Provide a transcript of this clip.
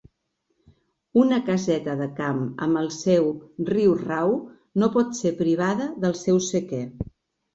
Una caseta de camp amb el seu riurau no pot ser privada del seu sequer.